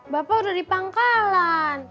bapak udah di pangkalan